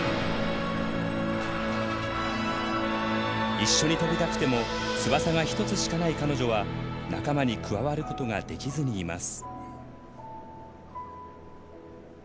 一緒に飛びたくても翼が１つしかない彼女は仲間に加わることができずにいます。